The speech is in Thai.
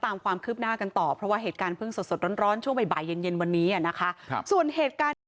แล้วก็เอามืดเสียอติดกันออกมาดูว่าเป็นสดก็ดูด